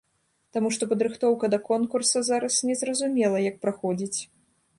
Таму што падрыхтоўка да конкурса зараз незразумела як праходзіць!